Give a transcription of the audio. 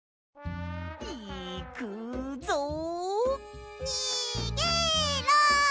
いくぞ！にげろ！